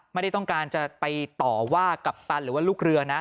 ไม่ได้ต้องการจะไปต่อว่ากัปตันหรือว่าลูกเรือนะ